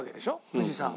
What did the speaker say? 富士山は。